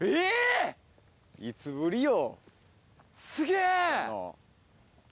いつぶりよ？